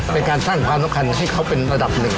เป็นการสร้างความสำคัญให้เขาเป็นระดับหนึ่ง